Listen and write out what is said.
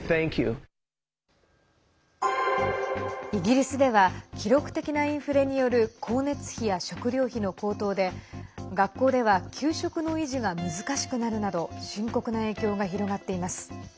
イギリスでは記録的なインフレによる光熱費や食料費の高騰で学校では給食の維持が難しくなるなど深刻な影響が広がっています。